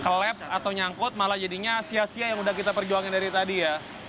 kelab atau nyangkut malah jadinya sia sia yang udah kita perjuangin dari tadi ya